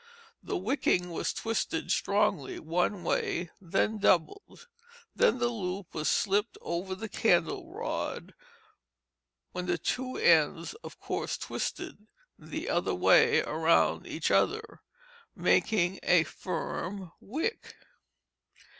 The wicking was twisted strongly one way; then doubled; then the loop was slipped over the candle rod, when the two ends, of course, twisted the other way around each other, making a firm wick.